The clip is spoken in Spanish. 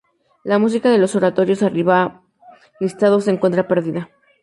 La música de los oratorios arriba listados se encuentra perdida.